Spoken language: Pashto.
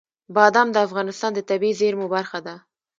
بادام د افغانستان د طبیعي زیرمو برخه ده.